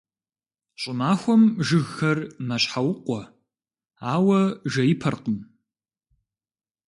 ЩӀымахуэм жыгхэр «мэщхьэукъуэ», ауэ жеипэркъым.